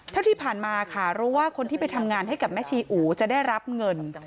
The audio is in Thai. เท่าที่ผ่านมาค่ะรู้ว่าคนที่ไปทำงานให้กับแม่ชีอู๋จะได้รับเงิน